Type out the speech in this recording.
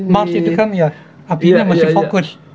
mat itu kan ya apinya masih fokus